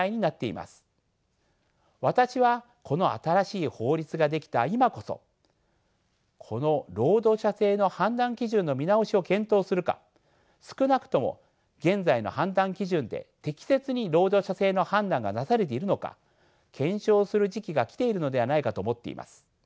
私はこの新しい法律が出来た今こそこの労働者性の判断基準の見直しを検討するか少なくとも現在の判断基準で適切に労働者性の判断がなされているのか検証する時期が来ているのではないかと思っています。